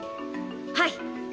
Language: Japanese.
はい。